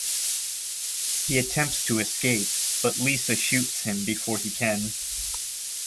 He attempts to escape, but Lisa shoots him before he can.